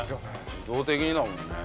自動的にだもんね。